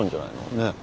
ねえ。